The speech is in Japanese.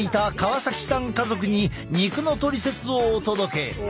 家族に肉のトリセツをお届け！